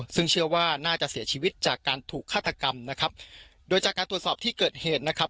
ซึ่งเชื่อว่าน่าจะเสียชีวิตจากการถูกฆาตกรรมนะครับโดยจากการตรวจสอบที่เกิดเหตุนะครับ